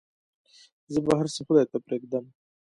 زه به هرڅه خداى ته پرېږدم.